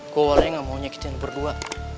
gue walaunya nggak mau nyakitin berdua